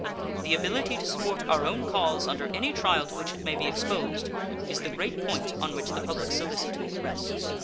The ability to support our own cause under any trial to which it may be exposed is the great point on which the public solicitude rests.